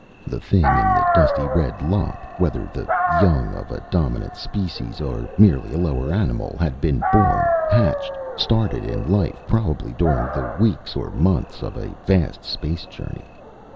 The thing in the dusty red lump whether the young of a dominant species, or merely a lower animal had been born, hatched, started in life probably during the weeks or months of a vast space journey.